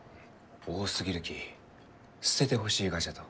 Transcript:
多すぎるき捨ててほしいがじゃと。